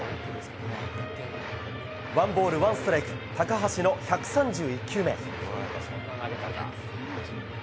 ワンボールワンストライク高橋の１３１球目。